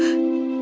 kalau kau menangis